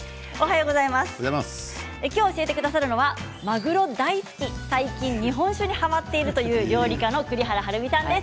今日、教えてくださるのはまぐろ大好き、最近日本酒にはまっている料理家の栗原はるみさんです。